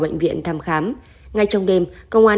bệnh viện thăm khám ngay trong đêm công an